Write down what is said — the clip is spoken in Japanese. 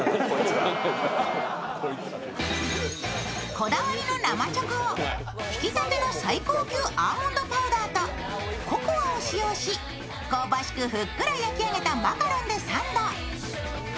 こだわりの生チョコをひきたての最高級アーモンドパウダーとココアを使用し、香ばしくふっくら仕上げたマカロンでサンド